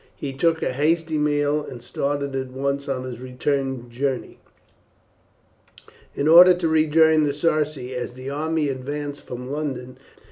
He took a hasty meal, and started at once on his return journey in order to rejoin the Sarci as the army advanced from London.